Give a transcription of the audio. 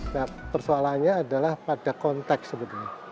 nah persoalannya adalah pada konteks sebetulnya